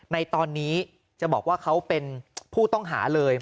ในตอนนี้จะบอกว่าเขาเป็นผู้ต้องหาเลย